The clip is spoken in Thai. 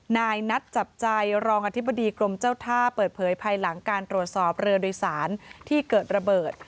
นายนัดจับใจรองอธิบดีกรมเจ้าท่าเปิดเผยภายหลังการตรวจสอบเรือโดยสารที่เกิดระเบิด